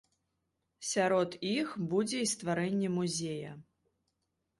Сярод іх будзе і стварэнне музея.